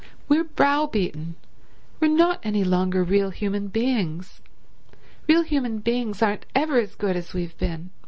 We're brow beaten—we're not any longer real human beings. Real human beings aren't ever as good as we've been.